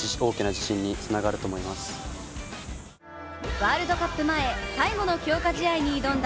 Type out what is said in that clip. ワールドカップ前、最後の強化試合に挑んだ